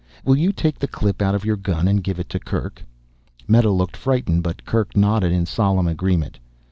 Will you take the clip out of your gun and give it to Kerk?" Meta looked frightened, but Kerk nodded in solemn agreement.